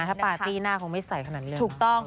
ถ้าปาร์ตี้หน้าคงไม่ใส่ขนาดนี้เลย